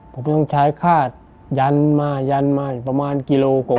ผมต้องใช้คาดยันมายันมาอีกประมาณกิโลกว่า